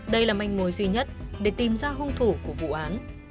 đây là manh mối duy nhất để tìm ra hung thủ của vụ án